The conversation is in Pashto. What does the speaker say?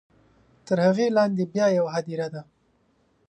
تر هغې لاندې بیا یوه هدیره ده.